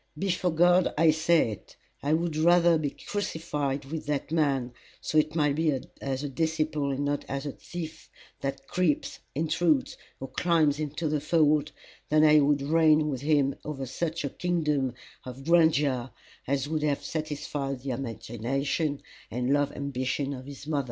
Before God I say it I would rather be crucified with that man, so it might be as a disciple and not as a thief that creeps, intrudes, or climbs into the fold, than I would reign with him over such a kingdom of grandeur as would have satisfied the imagination and love ambition of his mother.